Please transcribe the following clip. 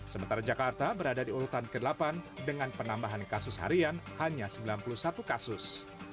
sementara jakarta berada di urutan ke delapan dengan penambahan kasus harian hanya sembilan puluh satu kasus